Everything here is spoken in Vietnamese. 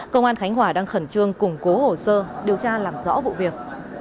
công an khánh hòa đang khẩn trương củng cố hồ sơ điều tra làm rõ vụ việc